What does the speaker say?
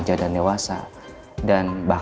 ah nggak ah